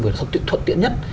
vừa thuận tiện nhất